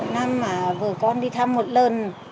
năm mà vợ con đi thăm một lần